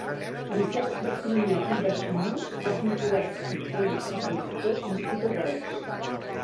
Francesc Bartrina i d'Aixemús va ser un poeta, escriptor i traductor nascut a Reus.